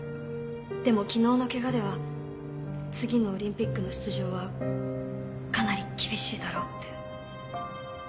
でも昨日のケガでは次のオリンピックの出場はかなり厳しいだろうって。